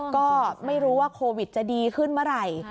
ก็ไม่รู้ว่าโควิดจะดีขึ้นเมื่อไหร่